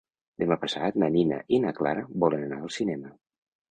Demà passat na Nina i na Clara volen anar al cinema.